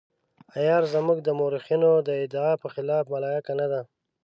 عیار زموږ د مورخینو د ادعا په خلاف ملایکه نه ده.